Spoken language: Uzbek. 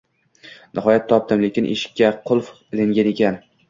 Nihoyat, topdim, lekin eshikka qulf ilingan ekan